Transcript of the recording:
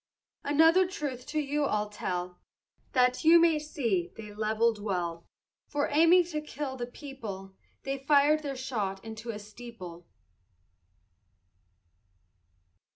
Another truth to you I'll tell, That you may see they levelled well; For aiming for to kill the people, They fired their shot into a steeple.